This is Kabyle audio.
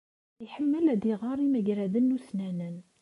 Iḥemmel ad iɣer imagraden ussnanen.